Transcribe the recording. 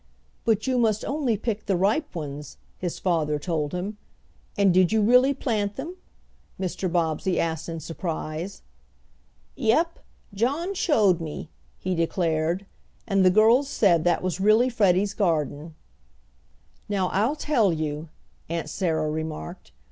"But you must only pick the ripe ones," his father told him. "And did you really plant them?" Mr. Bobbsey asked in surprise. "Yep! John showed me," he declared, and the girls said that was really Freddie's garden. "Now I'll tell you," Aunt Sarah remarked.